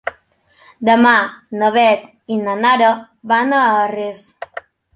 Demà na Beth i na Nara van a Arres.